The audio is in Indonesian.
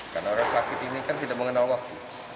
karena orang sakit ini kan tidak mengenal waktu